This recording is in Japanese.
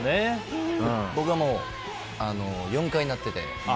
僕はもう、４回なってて。